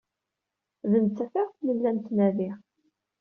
D netta iɣef nella nettnadi.